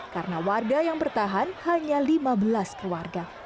karena warga yang bertahan hanya lima belas keluarga